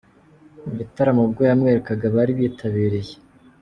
mu gitaramo ubwo yamwerekaga abari bitabiye.